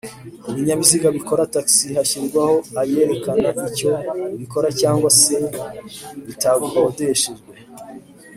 kubinyabiziga bikora taxi hashyirwaho ayerekana icyo bikora cg se ko bitakodeshejwe